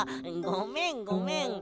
ごめんごめん。